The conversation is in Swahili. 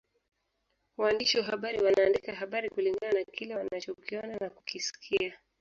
Waandishi wa habari wanaandika habari kulingana na kile wanachokiona na kukisikia